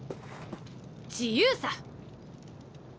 自由さ！